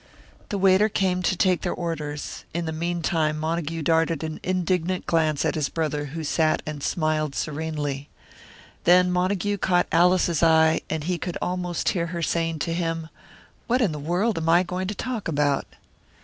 The waiter came to take their orders; in the meantime Montague darted an indignant glance at his brother, who sat and smiled serenely. Then Montague caught Alice's eye, and he could almost hear her saying to him, "What in the world am I going to talk about?"